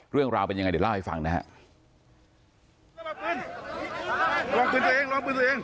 เรื่องราวเป็นยังไงเดี๋ยวเล่าให้ฟังนะฮะ